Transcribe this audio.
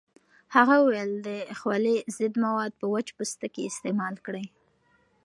هغه وویل د خولې ضد مواد په وچ پوستکي استعمال کړئ.